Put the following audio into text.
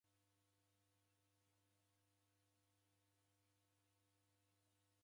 Ijo ighesho jeredwa ni w'ashomi.